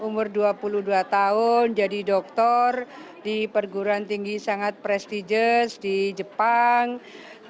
umur dua puluh dua tahun jadi dokter di perguruan tinggi sangat prestiges di jepang